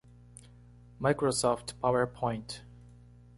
Microsoft PowerPoint.